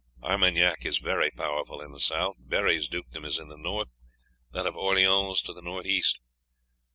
Armagnac is very powerful in the south, Berri's dukedom is in the north, that of Orleans to the north east.